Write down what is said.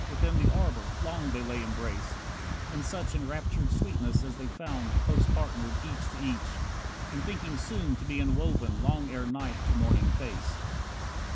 Within the arbour, long they lay embraced, In such enraptured sweetness as they found Close partnered each to each, and thinking soon To be enwoven, long ere night to morning faced.